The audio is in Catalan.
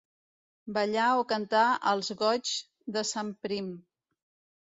Ballar o cantar els goigs de sant Prim.